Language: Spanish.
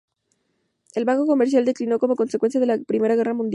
El "Banco Comercial" declinó como consecuencia de la Primera Guerra Mundial.